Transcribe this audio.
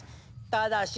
ただし。